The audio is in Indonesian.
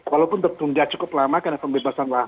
walaupun tertunda cukup lama karena pembebasan lahan